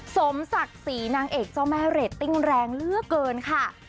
สมศักดิ์ศรีนางเอกเจ้าแม่เรตติ้งแรงเหลือเกินค่ะ